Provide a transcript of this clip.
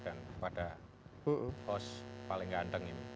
dan kepada pos paling ganteng ini